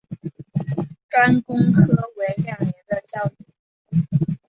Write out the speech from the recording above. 专攻科为两年的教育。